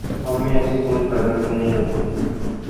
ہم میں ایسی سوچ پیدا کیوں نہیں ہوتی؟